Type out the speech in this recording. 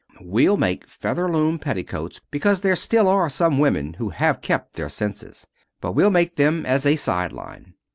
We'll make Featherloom Petticoats because there still are some women who have kept their senses. But we'll make them as a side line.